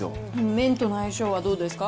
麺との相性はどうですか。